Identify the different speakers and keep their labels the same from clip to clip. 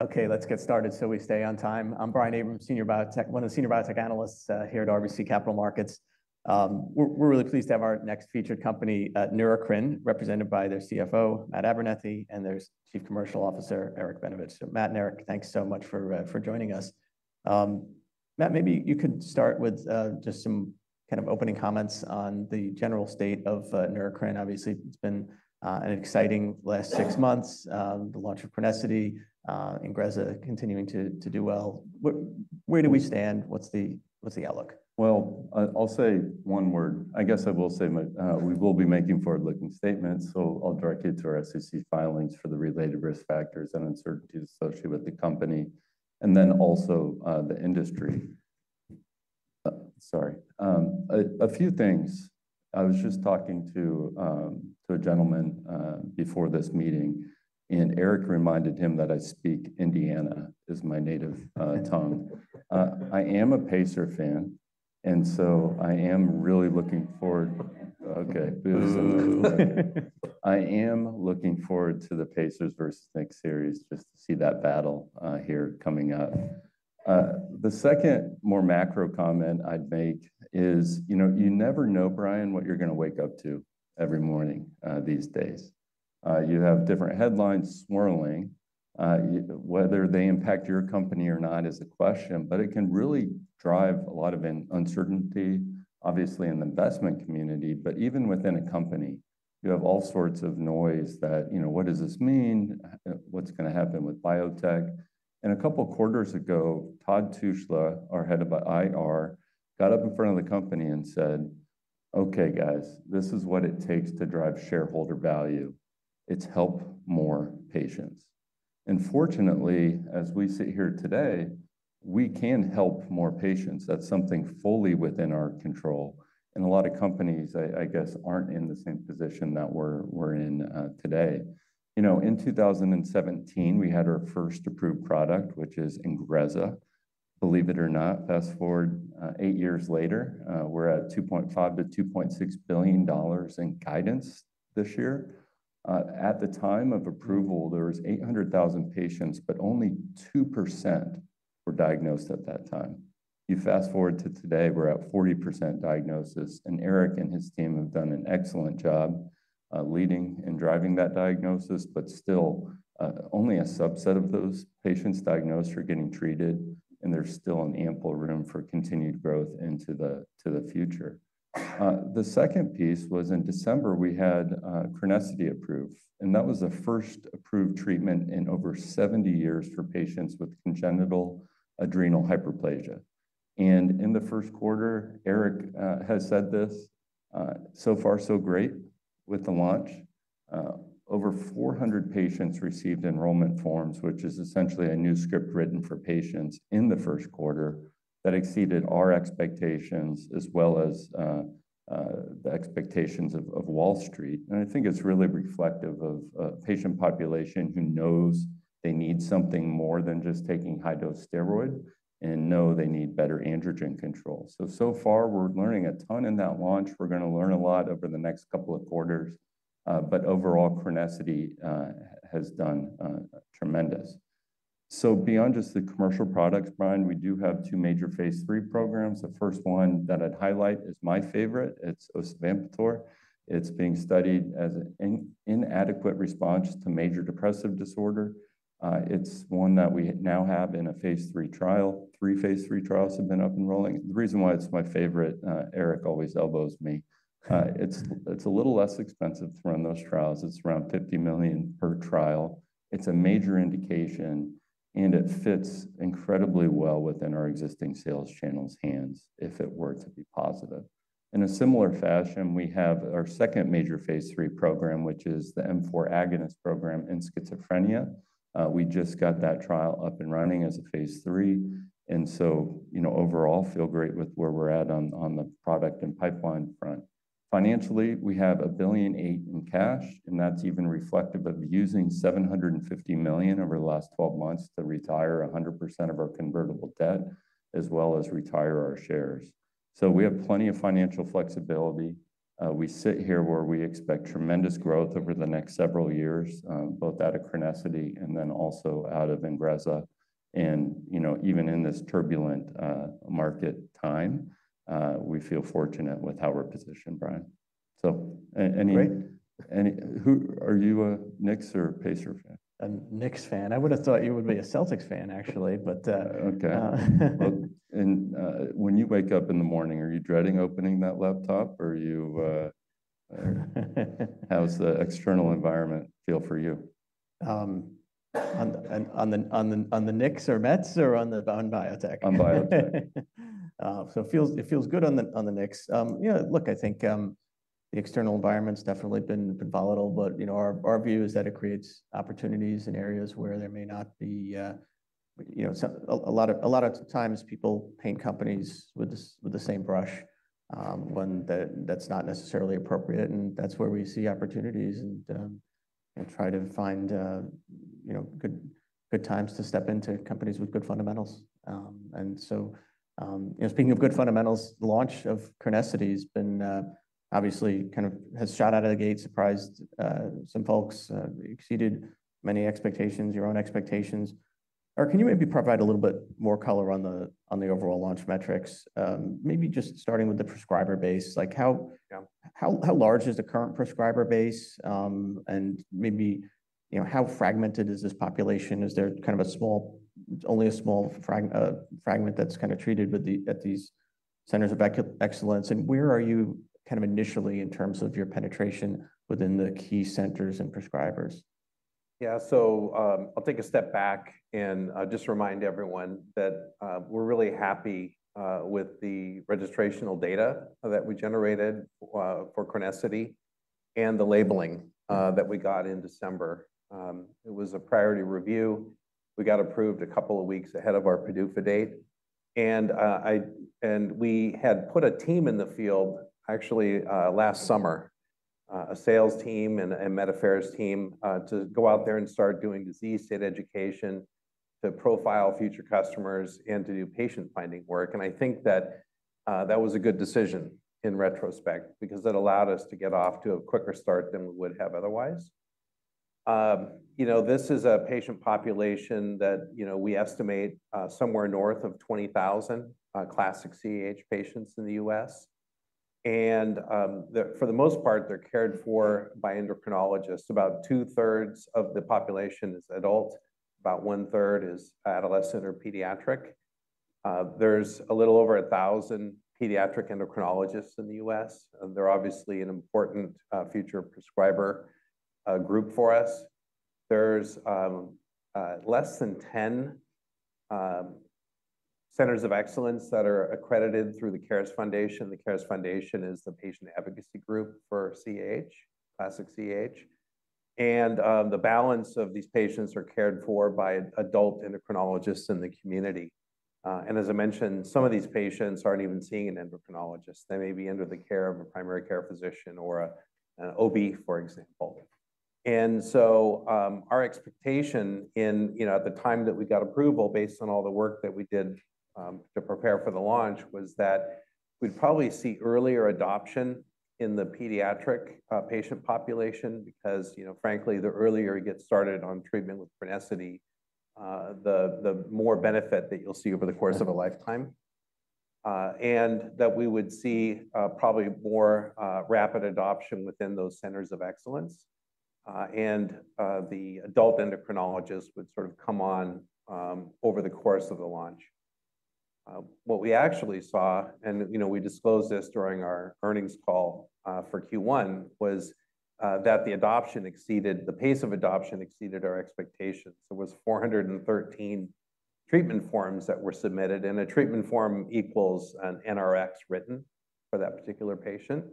Speaker 1: Okay, let's get started so we stay on time. I'm Brian Abrahams, one of the senior biotech analysts here at RBC Capital Markets. We're really pleased to have our next featured company, Neurocrine Biosciences, represented by their CFO, Matt Abernethy, and their Chief Commercial Officer, Eric Benevich. Matt and Eric, thanks so much for joining us. Matt, maybe you could start with just some kind of opening comments on the general state of Neurocrine Biosciences. Obviously, it's been an exciting last six months, the launch of CRENESSITY, INGREZZA continuing to do well. Where do we stand? What's the outlook?
Speaker 2: I will say one word. I guess I will say we will be making forward-looking statements, so I'll direct you to our SEC filings for the related risk factors and uncertainties associated with the company, and then also the industry. Sorry. A few things. I was just talking to a gentleman before this meeting, and Eric reminded him that I speak Indiana as my native tongue. I am a Pacer fan, and so I am really looking forward. Okay, boo some. I am looking forward to the Pacers versus Knicks series just to see that battle here coming up. The second more macro comment I'd make is, you never know, Brian, what you're going to wake up to every morning these days. You have different headlines swirling. Whether they impact your company or not is a question, but it can really drive a lot of uncertainty, obviously, in the investment community, but even within a company, you have all sorts of noise that, you know, what does this mean? What's going to happen with biotech? A couple of quarters ago, Todd Tushla, our Head of IR, got up in front of the company and said, "Okay, guys, this is what it takes to drive shareholder value. It's help more patients." Fortunately, as we sit here today, we can help more patients. That's something fully within our control. A lot of companies, I guess, aren't in the same position that we're in today. You know, in 2017, we had our first approved product, which is INGREZZA. Believe it or not, fast forward eight years later, we're at $2.5-$2.6 billion in guidance this year. At the time of approval, there were 800,000 patients, but only 2% were diagnosed at that time. You fast forward to today, we're at 40% diagnosis, and Eric and his team have done an excellent job leading and driving that diagnosis, but still only a subset of those patients diagnosed are getting treated, and there's still ample room for continued growth into the future. The second piece was in December, we had CRENESSITY approved, and that was the first approved treatment in over 70 years for patients with congenital adrenal hyperplasia. In the first quarter, Eric has said this, "So far, so great" with the launch. Over 400 patients received enrollment forms, which is essentially a new script written for patients in the first quarter that exceeded our expectations as well as the expectations of Wall Street. I think it's really reflective of a patient population who knows they need something more than just taking high-dose steroid and know they need better androgen control. So far, we're learning a ton in that launch. We're going to learn a lot over the next couple of quarters, but overall, CRENESSITY has done tremendous. Beyond just the commercial products, Brian, we do have two major phase III programs. The first one that I'd highlight is my favorite. It's Osavampator. It's being studied as an inadequate response to major depressive disorder. It's one that we now have in a phase III trial. Three phase III trials have been up and rolling. The reason why it's my favorite, Eric always elbows me. It's a little less expensive to run those trials. It's around $50 million per trial. It's a major indication, and it fits incredibly well within our existing sales channel's hands if it were to be positive. In a similar fashion, we have our second major phase III program, which is the M4 agonist program in schizophrenia. We just got that trial up and running as a phase III. And, you know, overall, feel great with where we're at on the product and pipeline front. Financially, we have $1.8 billion in cash, and that's even reflective of using $750 million over the last 12 months to retire 100% of our convertible debt as well as retire our shares. So we have plenty of financial flexibility. We sit here where we expect tremendous growth over the next several years, both out of CRENESSITY and then also out of INGREZZA. And, you know, even in this turbulent market time, we feel fortunate with how we're positioned, Brian. So any.
Speaker 1: Great.
Speaker 2: Are you a Knicks or Pacer fan?
Speaker 1: I'm a Knicks fan. I would have thought you would be a Celtics fan, actually. Okay.
Speaker 2: When you wake up in the morning, are you dreading opening that laptop or how does the external environment feel for you?
Speaker 1: On the Knicks or Mets or on the bond biotech?
Speaker 2: On biotech.
Speaker 1: It feels good on the Knicks. Yeah, look, I think the external environment's definitely been volatile, but you know, our view is that it creates opportunities in areas where there may not be, you know, a lot of times people paint companies with the same brush when that's not necessarily appropriate, and that's where we see opportunities and try to find, you know, good times to step into companies with good fundamentals. You know, speaking of good fundamentals, the launch of CRENESSITY has been obviously kind of has shot out of the gate, surprised some folks, exceeded many expectations, your own expectations. Eric, can you maybe provide a little bit more color on the overall launch metrics, maybe just starting with the prescriber base? Like how large is the current prescriber base? And maybe, you know, how fragmented is this population? Is there kind of a small, only a small fragment that's kind of treated at these Centers of Excellence? Where are you kind of initially in terms of your penetration within the key centers and prescribers?
Speaker 3: Yeah, so I'll take a step back and just remind everyone that we're really happy with the registrational data that we generated for CRENESSITY and the labeling that we got in December. It was a priority review. We got approved a couple of weeks ahead of our PDUFA date. We had put a team in the field actually last summer, a sales team and a med affairs team to go out there and start doing disease state education to profile future customers and to do patient-finding work. I think that that was a good decision in retrospect because that allowed us to get off to a quicker start than we would have otherwise. You know, this is a patient population that, you know, we estimate somewhere north of 20,000 classic CAH patients in the U.S.. For the most part, they're cared for by endocrinologists. About 2/3 of the population is adult. About one-third is adolescent or pediatric. There's a little over 1,000 pediatric endocrinologists in the U.S.. They're obviously an important future prescriber group for us. There's less than 10 Centers of Excellence that are accredited through the CARES Foundation. The CARES Foundation is the patient advocacy group for CAH, classic CAH. The balance of these patients are cared for by adult endocrinologists in the community. As I mentioned, some of these patients aren't even seeing an endocrinologist. They may be under the care of a primary care physician or an OB, for example. Our expectation in, you know, at the time that we got approval, based on all the work that we did to prepare for the launch, was that we'd probably see earlier adoption in the pediatric patient population because, you know, frankly, the earlier you get started on treatment with CRENESSITY, the more benefit that you'll see over the course of a lifetime. We would see probably more rapid adoption within those Centers of Excellence. The adult endocrinologist would sort of come on over the course of the launch. What we actually saw, and you know, we disclosed this during our earnings call for Q1, was that the adoption exceeded, the pace of adoption exceeded our expectations. There were 413 treatment forms that were submitted, and a treatment form equals an NRX written for that particular patient.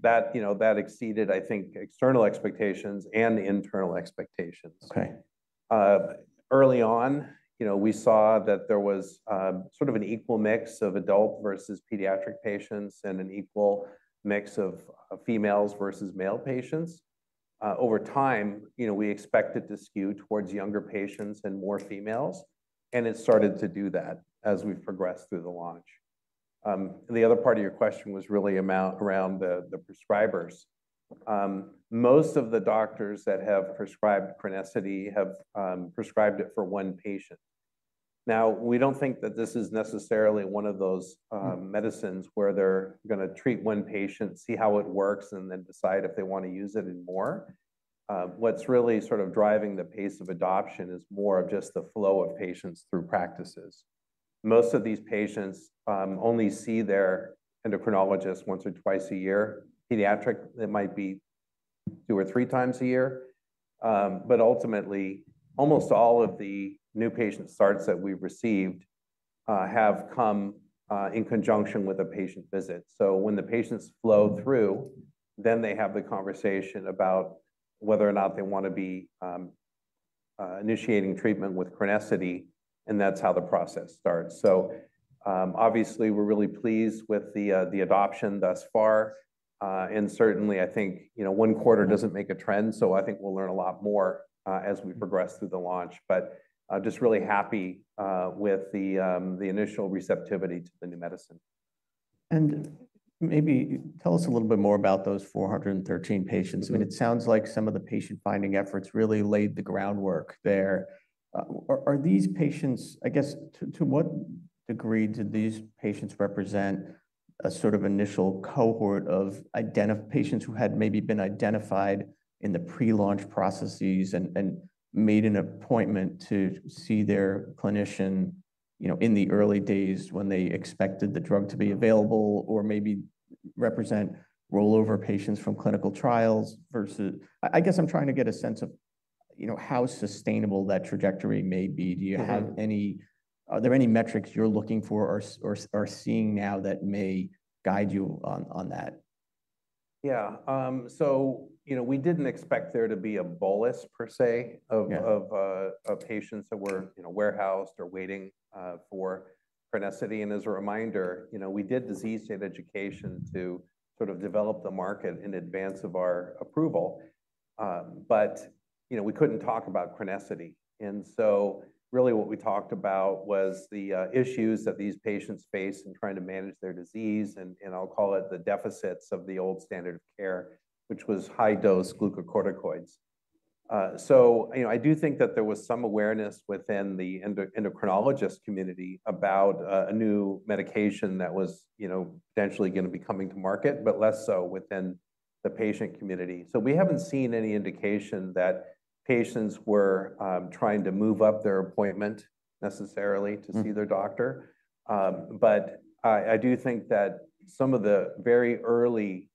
Speaker 3: That exceeded, I think, external expectations and internal expectations. Early on, you know, we saw that there was sort of an equal mix of adult versus pediatric patients and an equal mix of females versus male patients. Over time, you know, we expected to skew towards younger patients and more females, and it started to do that as we've progressed through the launch. The other part of your question was really around the prescribers. Most of the doctors that have prescribed CRENESSITY have prescribed it for one patient. Now, we do not think that this is necessarily one of those medicines where they are going to treat one patient, see how it works, and then decide if they want to use it more. What is really sort of driving the pace of adoption is more of just the flow of patients through practices. Most of these patients only see their endocrinologist once or twice a year. Pediatric, it might be two or three times a year. Ultimately, almost all of the new patient starts that we've received have come in conjunction with a patient visit. When the patients flow through, then they have the conversation about whether or not they want to be initiating treatment with CRENESSITY, and that's how the process starts. Obviously, we're really pleased with the adoption thus far. Certainly, I think, you know, one quarter doesn't make a trend, so I think we'll learn a lot more as we progress through the launch, but just really happy with the initial receptivity to the new medicine.
Speaker 1: Maybe tell us a little bit more about those 413 patients. I mean, it sounds like some of the patient-finding efforts really laid the groundwork there. Are these patients, I guess, to what degree did these patients represent a sort of initial cohort of patients who had maybe been identified in the pre-launch processes and made an appointment to see their clinician, you know, in the early days when they expected the drug to be available or maybe represent rollover patients from clinical trials versus, I guess I'm trying to get a sense of, you know, how sustainable that trajectory may be. Do you have any, are there any metrics you're looking for or seeing now that may guide you on that?
Speaker 3: Yeah. So, you know, we didn't expect there to be a bolus per se of patients that were, you know, warehoused or waiting for CRENESSITY. As a reminder, you know, we did disease state education to sort of develop the market in advance of our approval. But, you know, we couldn't talk about CRENESSITY. So really what we talked about was the issues that these patients face in trying to manage their disease, and I'll call it the deficits of the old standard of care, which was high-dose glucocorticoids. You know, I do think that there was some awareness within the endocrinologist community about a new medication that was, you know, potentially going to be coming to market, but less so within the patient community. We haven't seen any indication that patients were trying to move up their appointment necessarily to see their doctor. I do think that some of the very early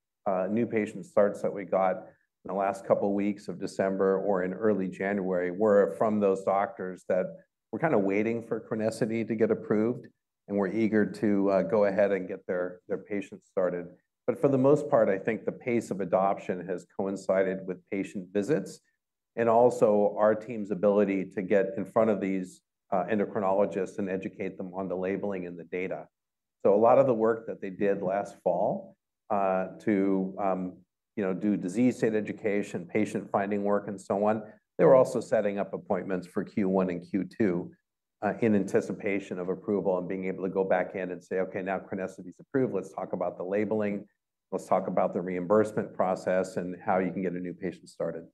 Speaker 3: new patient starts that we got in the last couple of weeks of December or in early January were from those doctors that were kind of waiting for CRENESSITY to get approved and were eager to go ahead and get their patients started. For the most part, I think the pace of adoption has coincided with patient visits and also our team's ability to get in front of these endocrinologists and educate them on the labeling and the data. A lot of the work that they did last fall to, you know, do disease state education, patient-finding work, and so on, they were also setting up appointments for Q1 and Q2 in anticipation of approval and being able to go back in and say, "Okay, now CRENESSITY's approved. Let's talk about the labeling. Let's talk about the reimbursement process and how you can get a new patient started.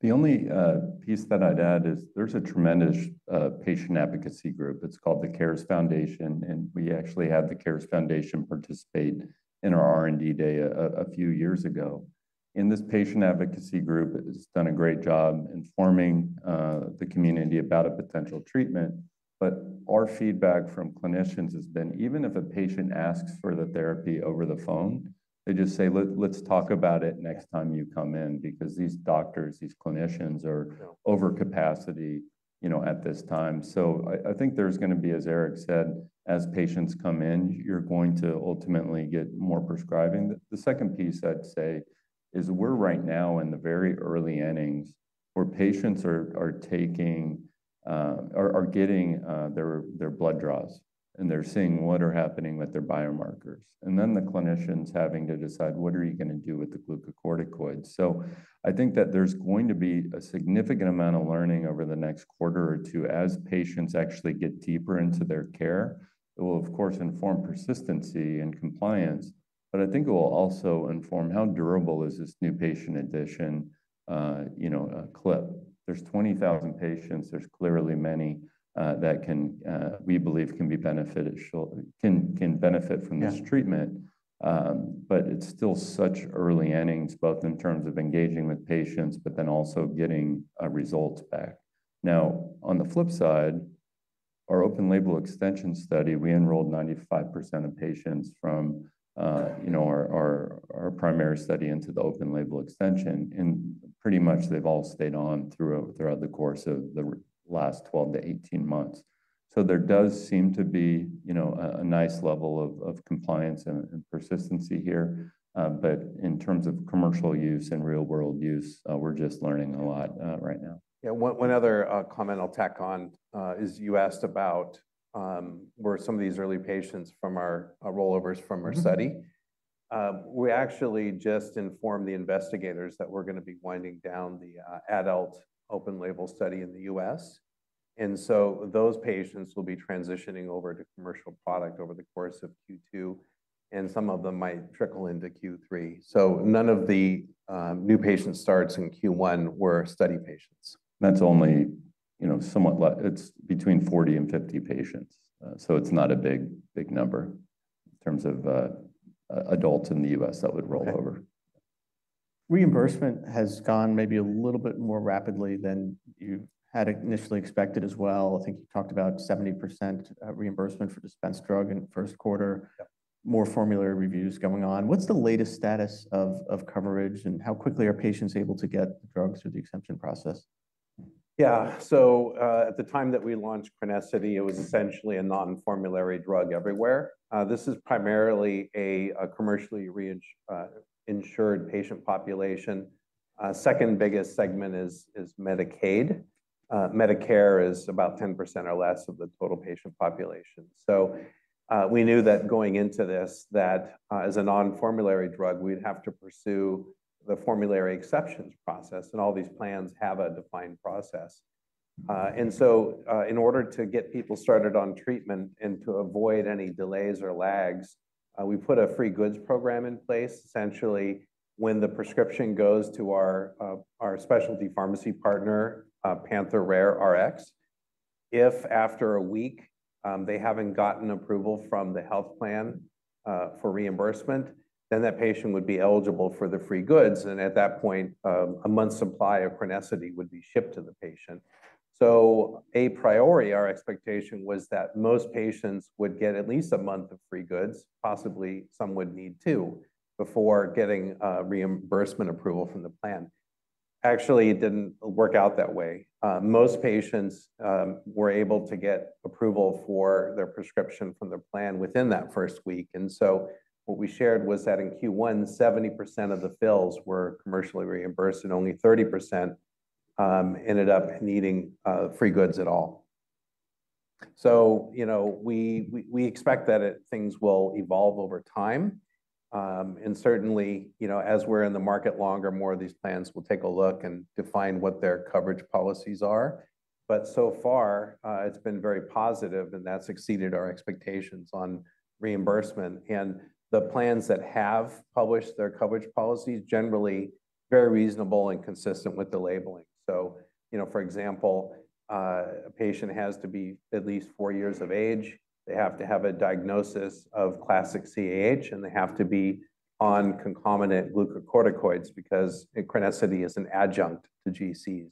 Speaker 2: The only piece that I'd add is there's a tremendous patient advocacy group. It's called the CARES Foundation, and we actually had the CARES Foundation participate in our R&D day a few years ago. This patient advocacy group has done a great job informing the community about a potential treatment. Our feedback from clinicians has been even if a patient asks for the therapy over the phone, they just say, "Let's talk about it next time you come in because these doctors, these clinicians are over capacity, you know, at this time." I think there's going to be, as Eric said, as patients come in, you're going to ultimately get more prescribing. The second piece I'd say is we're right now in the very early innings where patients are taking or getting their blood draws and they're seeing what are happening with their biomarkers. Then the clinicians having to decide what are you going to do with the glucocorticoids. I think that there's going to be a significant amount of learning over the next quarter or two as patients actually get deeper into their care. It will, of course, inform persistency and compliance, but I think it will also inform how durable is this new patient addition, you know, clip. There are 20,000 patients. There are clearly many that we believe can benefit from this treatment. It is still such early innings, both in terms of engaging with patients, but then also getting results back. On the flip side, our open label extension study, we enrolled 95% of patients from our primary study into the open label extension, and pretty much they've all stayed on throughout the course of the last 12-18 months. There does seem to be, you know, a nice level of compliance and persistency here. But in terms of commercial use and real-world use, we're just learning a lot right now.
Speaker 3: Yeah. One other comment I'll tack on is you asked about where some of these early patients from our rollovers from our study. We actually just informed the investigators that we're going to be winding down the adult open label study in the U.S.. And those patients will be transitioning over to commercial product over the course of Q2, and some of them might trickle into Q3. None of the new patient starts in Q1 were study patients.
Speaker 2: That's only, you know, somewhat less. It's between 40 and 50 patients. So it's not a big number in terms of adults in the U.S. that would roll over.
Speaker 1: Reimbursement has gone maybe a little bit more rapidly than you had initially expected as well. I think you talked about 70% reimbursement for dispensed drug in the first quarter. More formulary reviews going on. What's the latest status of coverage and how quickly are patients able to get drugs through the exemption process?
Speaker 3: Yeah. At the time that we launched CRENESSITY, it was essentially a non-formulary drug everywhere. This is primarily a commercially insured patient population. Second biggest segment is Medicaid. Medicare is about 10% or less of the total patient population. We knew that going into this that as a non-formulary drug, we'd have to pursue the formulary exceptions process, and all these plans have a defined process. In order to get people started on treatment and to avoid any delays or lags, we put a free goods program in place. Essentially, when the prescription goes to our specialty pharmacy partner, PANTHERx Rare, if after a week they have not gotten approval from the health plan for reimbursement, then that patient would be eligible for the free goods. At that point, a month's supply of CRENESSITY would be shipped to the patient. A priori, our expectation was that most patients would get at least a month of free goods, possibly some would need two before getting reimbursement approval from the plan. Actually, it did not work out that way. Most patients were able to get approval for their prescription from the plan within that first week. What we shared was that in Q1, 70% of the fills were commercially reimbursed and only 30% ended up needing free goods at all. You know, we expect that things will evolve over time. Certainly, you know, as we are in the market longer, more of these plans will take a look and define what their coverage policies are. So far, it has been very positive, and that has exceeded our expectations on reimbursement. The plans that have published their coverage policies generally are very reasonable and consistent with the labeling. You know, for example, a patient has to be at least four years of age. They have to have a diagnosis of classic CAH, and they have to be on concomitant glucocorticoids because CRENESSITY is an adjunct to GCs.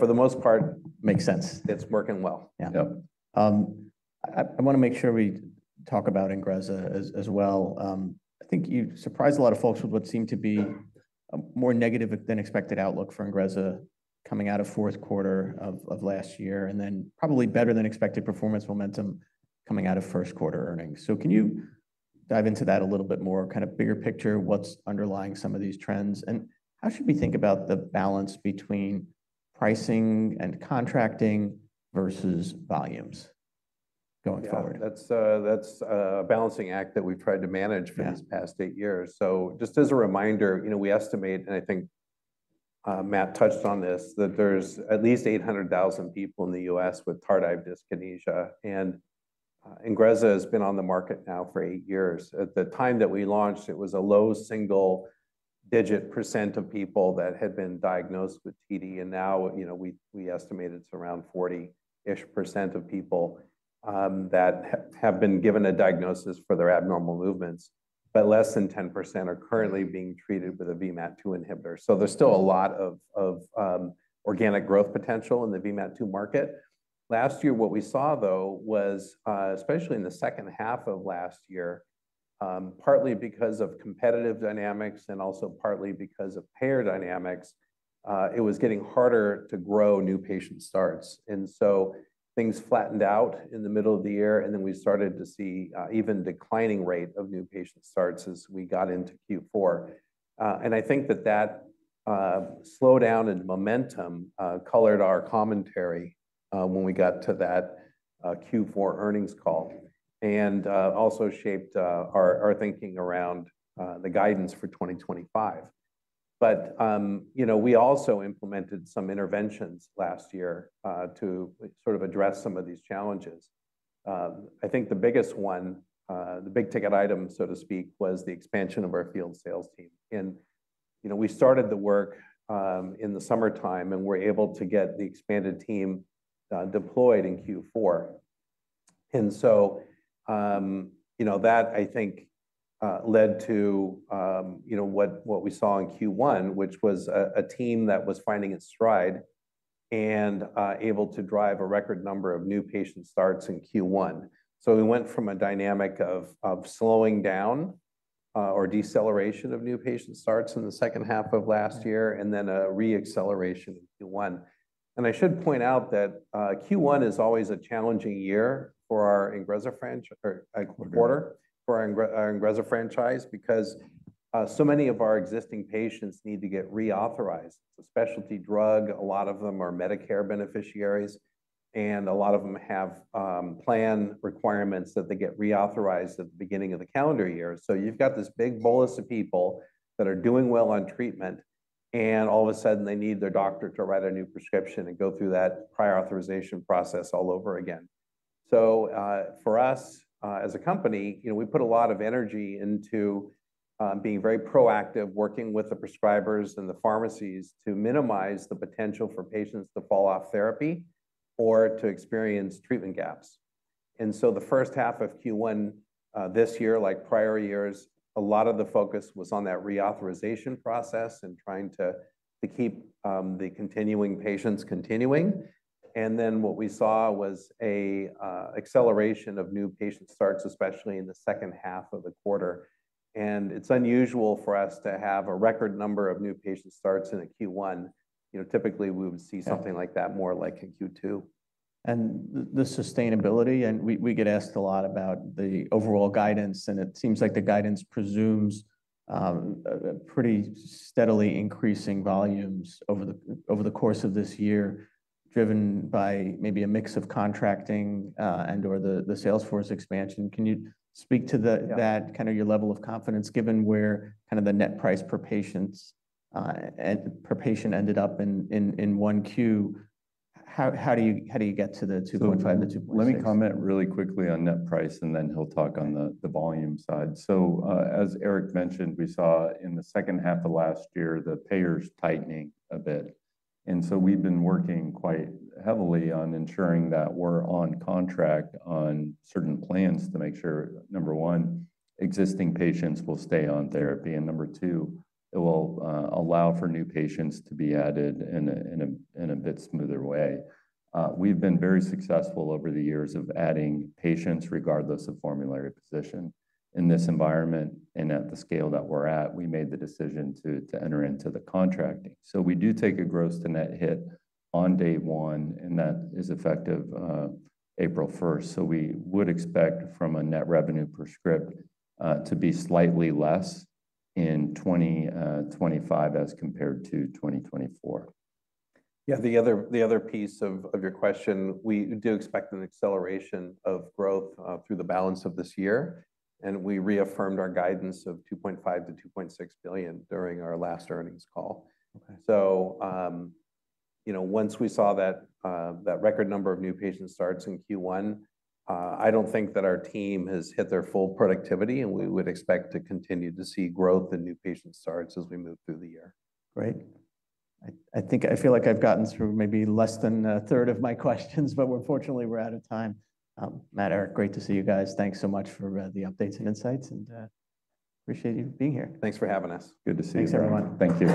Speaker 3: For the most part.
Speaker 1: Makes sense.
Speaker 3: It's working well.
Speaker 1: Yeah. I want to make sure we talk about INGREZZA as well. I think you surprised a lot of folks with what seemed to be a more negative than expected outlook for INGREZZA coming out of fourth quarter of last year and then probably better than expected performance momentum coming out of first quarter earnings. Can you dive into that a little bit more, kind of bigger picture, what's underlying some of these trends and how should we think about the balance between pricing and contracting versus volumes going forward?
Speaker 3: Yeah. That's a balancing act that we've tried to manage for these past eight years. Just as a reminder, you know, we estimate, and I think Matt touched on this, that there's at least 800,000 people in the U.S. with tardive dyskinesia. INGREZZA has been on the market now for eight years. At the time that we launched, it was a low single-digit percent of people that had been diagnosed with TD. Now, you know, we estimate it's around 40-ish % of people that have been given a diagnosis for their abnormal movements, but less than 10% are currently being treated with a VMAT2 inhibitor. There's still a lot of organic growth potential in the VMAT2 market. Last year, what we saw, though, was especially in the second half of last year, partly because of competitive dynamics and also partly because of payer dynamics, it was getting harder to grow new patient starts. Things flattened out in the middle of the year, and then we started to see an even declining rate of new patient starts as we got into Q4. I think that that slowdown in momentum colored our commentary when we got to that Q4 earnings call and also shaped our thinking around the guidance for 2025. You know, we also implemented some interventions last year to sort of address some of these challenges. I think the biggest one, the big ticket item, so to speak, was the expansion of our field sales team. You know, we started the work in the summertime and were able to get the expanded team deployed in Q4. You know, that I think led to what we saw in Q1, which was a team that was finding its stride and able to drive a record number of new patient starts in Q1. We went from a dynamic of slowing down or deceleration of new patient starts in the second half of last year and then a re-acceleration in Q1. I should point out that Q1 is always a challenging year for our INGREZZA quarter for our INGREZZA franchise because so many of our existing patients need to get reauthorized. It is a specialty drug. A lot of them are Medicare beneficiaries, and a lot of them have plan requirements that they get reauthorized at the beginning of the calendar year. You have got this big bolus of people that are doing well on treatment, and all of a sudden they need their doctor to write a new prescription and go through that prior authorization process all over again. For us as a company, you know, we put a lot of energy into being very proactive, working with the prescribers and the pharmacies to minimize the potential for patients to fall off therapy or to experience treatment gaps. The first half of Q1 this year, like prior years, a lot of the focus was on that reauthorization process and trying to keep the continuing patients continuing. What we saw was an acceleration of new patient starts, especially in the second half of the quarter. It is unusual for us to have a record number of new patient starts in a Q1. You know, typically we would see something like that more like in Q2.
Speaker 1: The sustainability, and we get asked a lot about the overall guidance, and it seems like the guidance presumes pretty steadily increasing volumes over the course of this year, driven by maybe a mix of contracting and/or the Salesforce expansion. Can you speak to that, kind of your level of confidence given where kind of the net price per patient ended up in Q1? How do you get to the 2.5, the 2.7?
Speaker 2: Let me comment really quickly on net price, and then he'll talk on the volume side. As Eric mentioned, we saw in the second half of last year the payers tightening a bit. We have been working quite heavily on ensuring that we are on contract on certain plans to make sure, number one, existing patients will stay on therapy, and number two, it will allow for new patients to be added in a bit smoother way. We have been very successful over the years of adding patients regardless of formulary position. In this environment and at the scale that we are at, we made the decision to enter into the contracting. We do take a gross to net hit on day one, and that is effective April 1. We would expect from a net revenue per script to be slightly less in 2025 as compared to 2024.
Speaker 3: Yeah. The other piece of your question, we do expect an acceleration of growth through the balance of this year. We reaffirmed our guidance of $2.5 billion-$2.6 billion during our last earnings call. You know, once we saw that record number of new patient starts in Q1, I do not think that our team has hit their full productivity, and we would expect to continue to see growth in new patient starts as we move through the year.
Speaker 1: Great. I think I feel like I've gotten through maybe less than a third of my questions, but unfortunately we're out of time. Matt, Eric, great to see you guys. Thanks so much for the updates and insights, and appreciate you being here.
Speaker 3: Thanks for having us.
Speaker 2: Good to see you all.
Speaker 1: Thanks, everyone.
Speaker 2: Thank you.